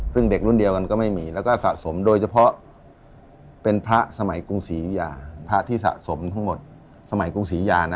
ซึ่งเด็กรุ่นเดียวกันก็ไม่มีแล้วก็สะสมโดยเฉพาะเป็นพระสมัยกรุงศรีวิทยาพระที่สะสมทั้งหมดสมัยกรุงศรียานะ